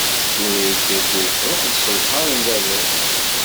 Tura yekker-d ufrux yesselqaḍen baba-s.